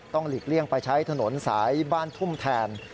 หลีกเลี่ยงไปใช้ถนนสายบ้านทุ่มแทน